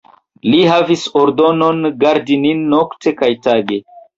Li havis ordonon, gardi nin nokte kaj tage.